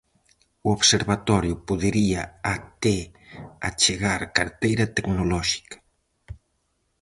O observatorio podería até achegar carteira tecnolóxica.